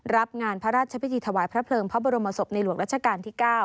รับงานพระราชพิธีถวายพระเพลิงพระบรมศพในหลวงรัชกาลที่๙